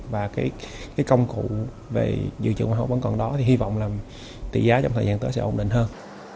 và cái công cụ về dự trữ ngoại hối vẫn còn đó thì hy vọng là tỷ giá trong thời gian tới sẽ ổn định hơn